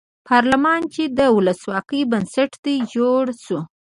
پارلمان چې د ولسواکۍ بنسټ دی جوړ شو.